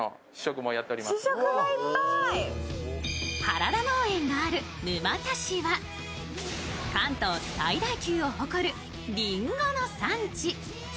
原田農園のある沼田市は関東最大級を誇るりんごの産地。